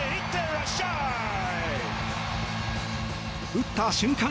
打った瞬間